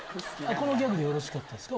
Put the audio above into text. このギャグでよろしかったですか？